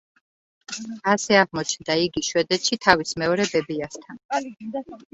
ასე აღმოჩნდა იგი შვედეთში თავის მეორე ბებიასთან.